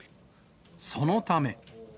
そのため。